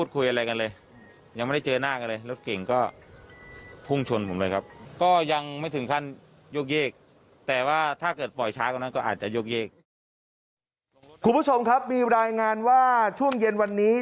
คุณผู้ชมครับมีรายงานว่าช่วงเย็นวันนี้